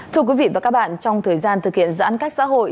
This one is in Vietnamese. thưa quý vị và các bạn trong thời gian thực hiện giãn cách xã hội